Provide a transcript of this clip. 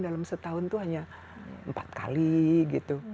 dalam setahun itu hanya empat kali gitu